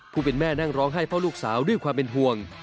ผู้เป็นแม่นั่งร้องไห้เฝ้าลูกสาวด้วยความเป็นห่วง